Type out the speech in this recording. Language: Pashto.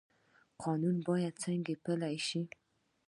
قانون باید څنګه پلی شي؟